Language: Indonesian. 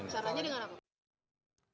sarannya dengan apa